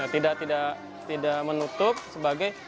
tidak tidak menutup sebagai